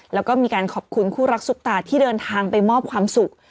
แล้วก็มีการขอบคุณคู่รักซุปตาที่เดินทางไปมอบความสุข